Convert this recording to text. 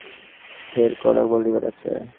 ঢের কথা বলিবার আছে।